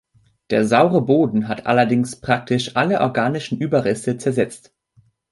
Der saure Boden hat allerdings praktisch alle organischen Überreste zersetzt.